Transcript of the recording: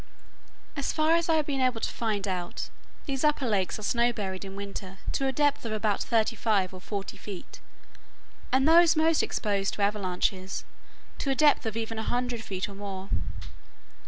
As far as I have been able to find out, these upper lakes are snow buried in winter to a depth of about thirty five or forty feet, and those most exposed to avalanches, to a depth of even a hundred feet or more.